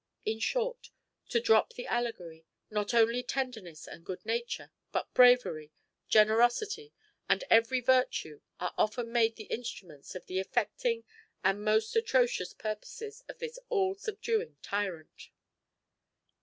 In short, to drop the allegory, not only tenderness and good nature, but bravery, generosity, and every virtue are often made the instruments of effecting the most atrocious purposes of this all subduing tyrant.